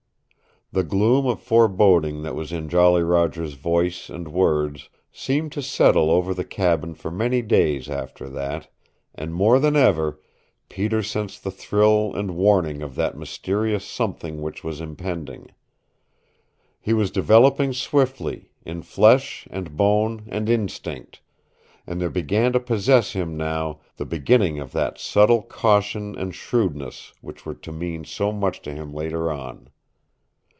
The gloom of foreboding that was in Jolly Roger's voice and words seemed to settle over the cabin for many days after that, and more than ever Peter sensed the thrill and warning of that mysterious something which was impending. He was developing swiftly, in flesh and bone and instinct, and there began to possess him now the beginning of that subtle caution and shrewdness which were to mean so much to him later on.